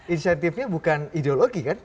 insentifnya bukan ideologi kan